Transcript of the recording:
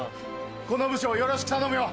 この部署をよろしく頼むよ。